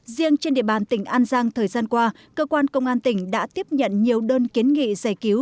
riêng trên địa bàn tỉnh an giang thời gian qua cơ quan công an tỉnh đã tiếp nhận nhiều đơn kiến nghị giải cứu